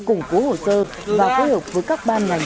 củng cố hồ sơ và phối hợp với các ban ngành